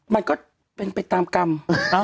มันก็เป็นไปตามกรรม